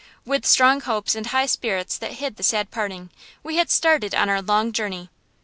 With strong hopes and high spirits that hid the sad parting, we had started on our long journey.